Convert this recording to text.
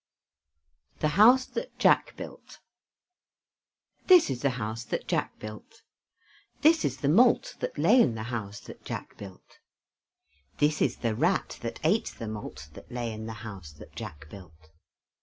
THE HOUSE THAT JACK BUILT This is the house that Jack built. This is the malt That lay in the house that Jack built. This is the rat That ate the malt That lay in the house that Jack built.